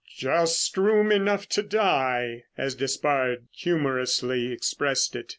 "Just room enough to die"—as Despard humorously expressed it.